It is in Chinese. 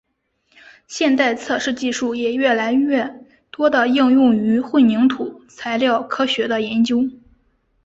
现代测试技术也越来越多地应用于混凝土材料科学的研究。